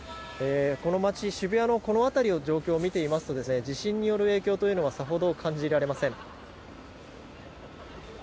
この街、渋谷のこの辺りの状況を見ますと地震による影響はさほど感じられません。